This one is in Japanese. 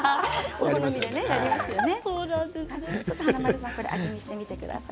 ちょっと華丸さん味見してみてください。